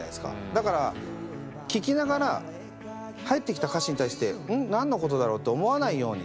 だから聴きながら入ってきた歌詞に対して「うん？何のことだろう？」と思わないように。